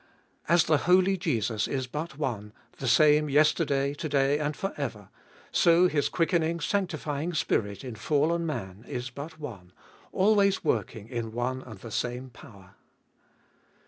4. As the Holy Jesus is but one— the same yesterday, to day, and for ever — so His quickening, sanctifying Spirit in fallen man is but one, always working in one and the same power.